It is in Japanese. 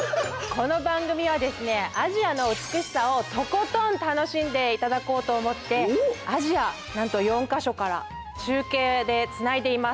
この番組はですねアジアの美しさをとことん楽しんでいただこうと思ってアジアなんと４か所から中継でつないでいます。